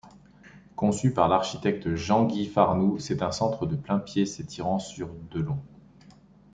Conçu par l'architecte Jean-Guy Farnoux, c'est un centre de plain-pied s'étirant sur de long.